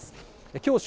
きょう正